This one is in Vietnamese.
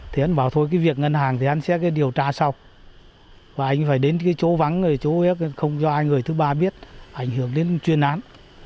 thì anh bảo thôi cái việc ngân hàng thì anh sẽ điều tra xong và anh phải đến cái chỗ vắng người chỗ không cho ai người thứ ba biết ảnh hưởng đến chuyên án